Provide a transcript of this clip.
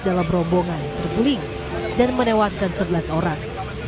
dalam rombongan terguling dan menewaskan sebelas orang